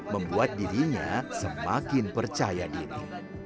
membuat dirinya semakin percaya diri